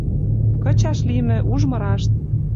Кычаш лимӹ, ужмы рашт